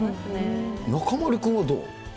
中丸君はどう？